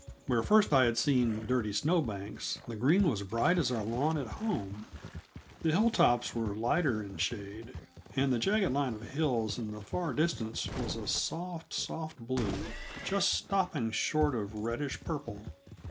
Where first I had seen dirty snow banks, the green was bright as our lawn at home. The hilltops were lighter in shade, and the jagged line of hills in the far distance was a soft, soft blue, just stopping short of reddish purple.